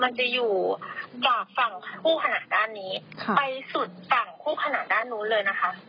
มันจะอยู่จากฝั่งคู่ขนาดด้านนี้ไปสุดฝั่งคู่ขนาดด้านนู้นเลยนะคะ